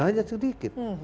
ya hanya sedikit